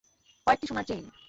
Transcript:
কয়েকটি সোনার চেইন।